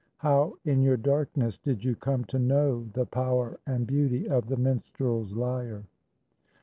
How, in your darkness, did you come to know The power and beauty of the minstrel's lyre?